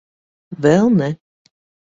Vēl ne.